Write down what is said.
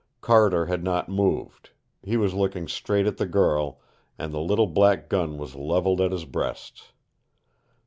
Carter had not moved. He was looking straight at the girl, and the little black gun was leveled at his breast.